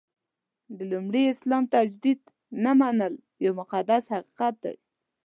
د لومړي اسلام تجدید نه منل یو مقدس حقیقت دی.